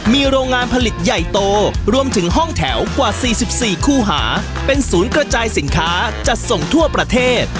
มีโรงงานผลิตใหญ่โตรวมถึงห้องแถวกว่า๔๔คู่หาเป็นศูนย์กระจายสินค้าจัดส่งทั่วประเทศ